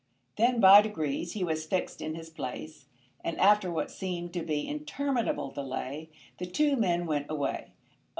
Then by degrees he was fixed in his place, and after what seemed to be interminable delay the two men went away.